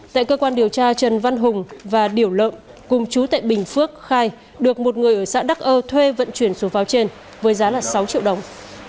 tại cơ quan điều tra trần văn hùng và điểu lợn cùng chú tại bình phước khai được một người ở xã đắc ơ thuê vận chuyển số pháo trên với giá sáu triệu đồng